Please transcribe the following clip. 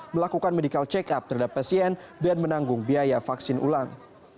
melakukan medical check up terhadap pasien dan menanggung biaya vaksin ulang